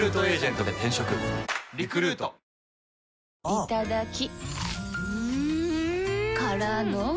いただきっ！